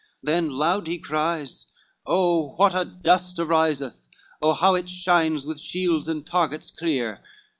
X Then loud he cries, "O what a dust ariseth! O how it shines with shields and targets clear!